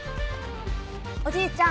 おじいちゃん